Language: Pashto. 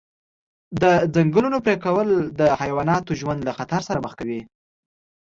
د ځنګلونو پرېکول د حیواناتو ژوند له خطر سره مخ کوي.